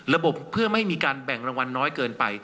ระบบเพื่อไม่มีการแบ่งรางวัลน้อยเกินไป